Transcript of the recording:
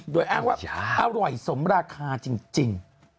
โดยอ้างว่าอร่อยสมราคาจริง